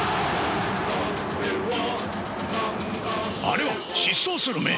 あれは疾走する眼！